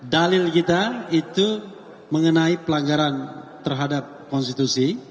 dalil kita itu mengenai pelanggaran terhadap konstitusi